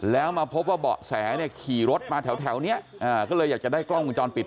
แล้วมาพบว่าเบาะแสเนี่ยขี่รถมาแถวนี้ก็เลยอยากจะได้กล้องวงจรปิด